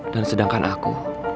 dan sedangkan aku